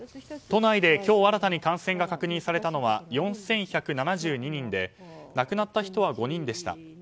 都内で、今日新たに感染が確認されたのは４１７２人で亡くなった人は５人でした。